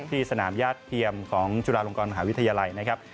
ที่สนามญาติเทียมของจุฬาลงกรมหาวิทยาลัยนะครับ